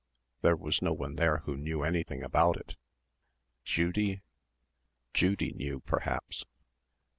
There was no one there who knew anything about it.... Judy? Judy knew, perhaps.